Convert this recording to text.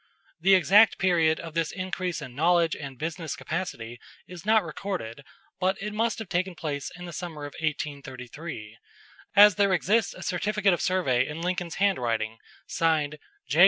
The exact period of this increase in knowledge and business capacity is not recorded, but it must have taken place in the summer of 1833, as there exists a certificate of survey in Lincoln's handwriting signed, "J.